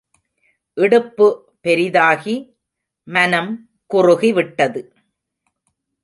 இடுப்பு பெரிதாகி, மனம் குறுகிவிட்டது.